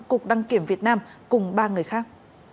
cục đăng kiểm việt nam cùng ba người khác